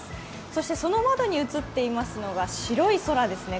そしてその窓に映っていますのが白い空ですね。